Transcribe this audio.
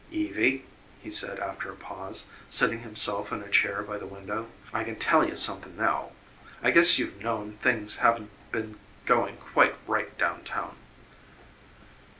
"Evie," he said after a pause, seating himself in a chair by the window, "I can tell you something now. I guess you've known things haven't beep going quite right down town."